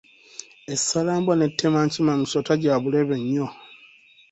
Essalambwa n'ettemankima misota gya bulabe nnyo.